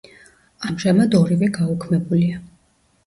ამჟამად ორივე გაუქმებულია.